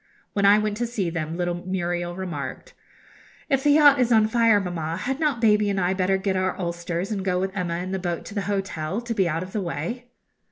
When I went to see them, little Muriel remarked: 'If the yacht is on fire, mamma, had not baby and I better get our ulsters, and go with Emma in the boat to the hotel, to be out of the way?'